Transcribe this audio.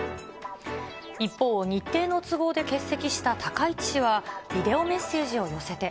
一方、日程の都合で欠席した高市氏はビデオメッセージを寄せて。